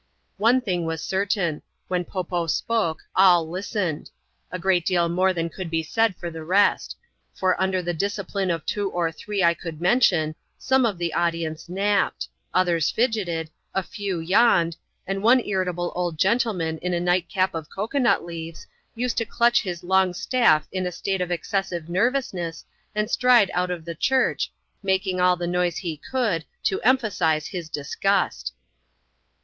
One thing was certain ; when Po Po spoke, all listened ; a gi^eat deal more than coidd be said for the rest ; for under the disc^line of two or three I could mention, some of the audience napped ; othere fidgeted ; a few yawned ; and one irritable old gentleman, in a night cap of cocoa nut leaves, used to clutch his long staff in a state of excessive nervousness, and stride out of the churdb^ making all the noise he could, to emphasise his disgust.